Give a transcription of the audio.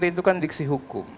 itu kan diksi hukum